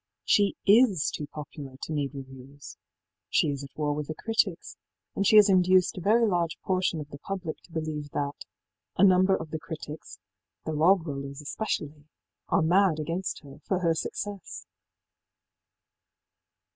She is too popular to need reviews. She is at war with the critics, and she has induced a very large portion of the public to believe that ëa number of the critics the ìlog rollersî especially are mad against her for her success.